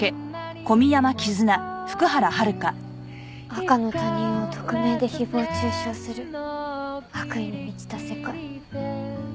赤の他人を匿名で誹謗中傷する悪意に満ちた世界。